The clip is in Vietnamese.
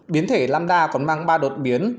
biến thể lambda còn mang ba đột biến